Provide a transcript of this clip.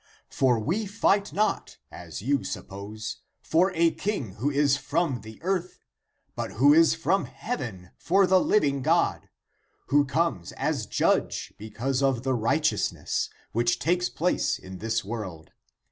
For we fie:ht not, as you suppose, for a King who is from the earth, but who is from heaven for the living God, who comes as judge because of the righteousness, which takes place in this world.